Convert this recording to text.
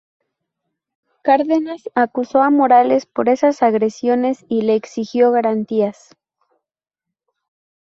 Cárdenas acusó a Morales por esas agresiones y le exigió garantías.